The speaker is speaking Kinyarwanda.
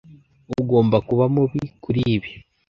Ugomba kuba mubi kuri ibi.